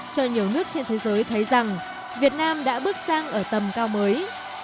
cho nhiều nước trên thế giới thấy rằng việt nam đã bước sang ở tầm cao mới